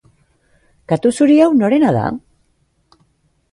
Katu zuri hau norena da?